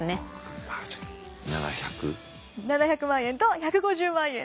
７００万円と１５０万円で。